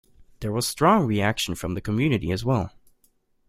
There was strong reaction from the community as well.